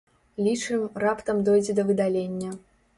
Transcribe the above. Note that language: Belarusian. Лічым, раптам дойдзе да выдалення.